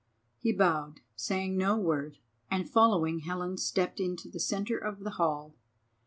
He bowed, saying no word, and following Helen stepped into the centre of the hall.